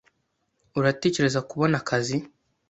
Uratekereza kubona akazi?